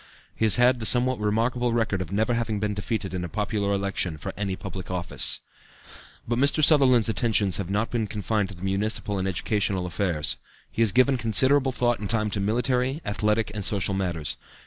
He has had the somewhat remarkable record of never having been defeated in a popular election for any public office. But Mr. Sutherland's attentions have not been confined to municipal and educational affairs. He has given considerable thought and time to military, athletic and social matters.